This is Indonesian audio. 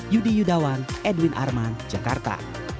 yudi yudawan edwin arman jakarta